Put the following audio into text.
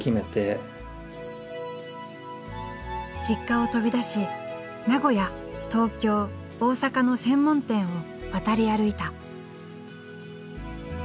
実家を飛び出し名古屋東京大阪の専門店を渡り歩いた。